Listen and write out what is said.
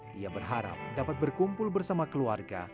dia berharap dapat berkumpul bersama keluarga